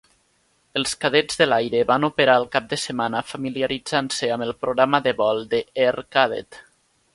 Els cadets de l'aire van operar el cap de setmana familiaritzant-se amb el programa de vol de Air Cadet.